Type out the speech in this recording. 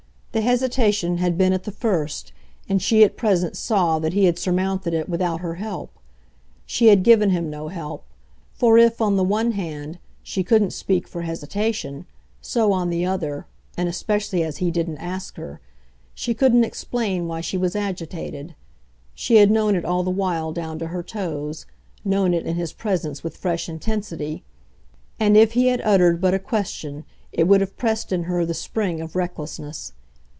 The hesitation had been at the first, and she at present saw that he had surmounted it without her help. She had given him no help; for if, on the one hand, she couldn't speak for hesitation, so on the other and especially as he didn't ask her she couldn't explain why she was agitated. She had known it all the while down to her toes, known it in his presence with fresh intensity, and if he had uttered but a question it would have pressed in her the spring of recklessness.